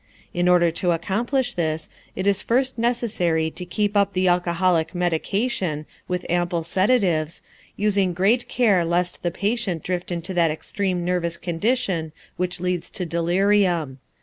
In order to accomplish this, it is first necessary to keep up the alcoholic medication, with ample sedatives, using great care lest the patient drift into that extreme nervous condition which leads to delirium.